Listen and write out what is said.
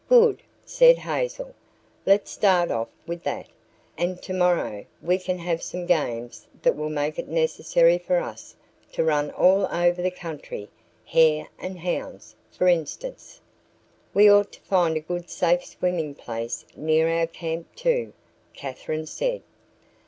"Good," said Hazel. "Let's start off with that. And tomorrow we can have some games that will make it necessary for us to run all over the country hare and hounds, for instance." "We ought to find a good safe swimming place near our camp, too," Katherine said.